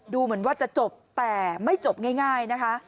ดูเหมือนว่าจะจบแต่ไม่จบง่ายนะคะ